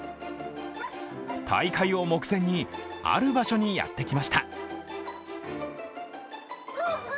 大会を目前に、ある場所にやってきました。